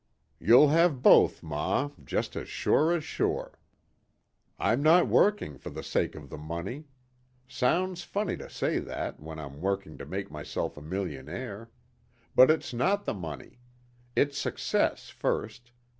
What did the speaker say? "You'll have both, ma, just as sure as sure. I'm not only working for the sake of the money. Sounds funny to say that when I'm working to make myself a millionaire. But it's not the money. It's success first.